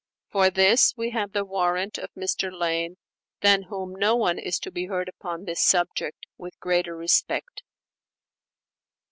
For this we have the warrant of Mr. Lane, than whom no one is to be heard upon this subject with greater respect.